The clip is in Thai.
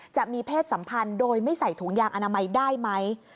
จะมีเพศสัมพันธ์โดยไม่ใส่ถุงยางอนามัยได้ไหม